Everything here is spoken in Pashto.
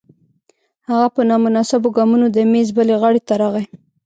هغه په نامناسبو ګامونو د میز بلې غاړې ته راغی